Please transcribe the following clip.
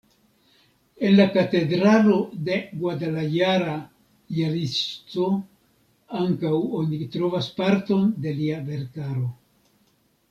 En la katedralo de Guadalajara, Jalisco, ankaŭ oni trovas parton de lia verkaro.